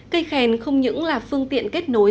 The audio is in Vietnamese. cây khen không những là phương tiện kết nối